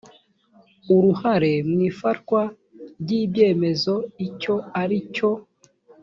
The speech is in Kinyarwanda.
uruhare mu ifatwa ry’ icyemezo icyo ari cyo